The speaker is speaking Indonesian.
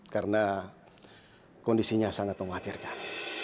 karena kondisinya sangat mengkhawatirkan